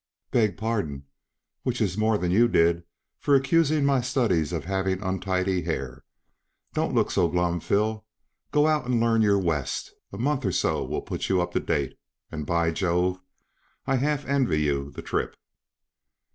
"Beg pardon which is more than you did after accusing my studies of having untidy hair. Don't look so glum, Phil. Go out and learn your West; a month or so will put you up to date and by Jove! I half envy you the trip."